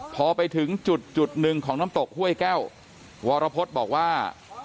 พอไปถึงจุดหนึ่งของน้ำตกห้วยแก้ววรพฤษบอกว่า